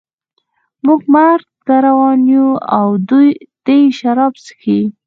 موږ مرګ ته روان یو او دی شراب څښي